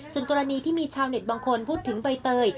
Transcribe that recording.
ส่วนกรณีที่มีชาวเน็ตบางคนพูดถึงใบเตย